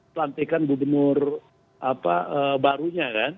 pelantikan gubernur barunya kan